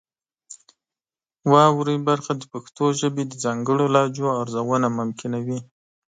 واورئ برخه د پښتو ژبې د ځانګړو لهجو ارزونه ممکنوي.